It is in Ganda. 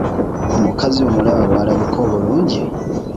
Omukazi omulaba bw'alabika obulungi?